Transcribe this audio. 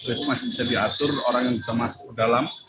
itu masih bisa diatur orang yang bisa masuk ke dalam